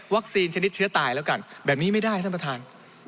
ชนิดเชื้อตายแล้วกันแบบนี้ไม่ได้ท่านประธาน